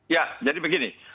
ya jadi begini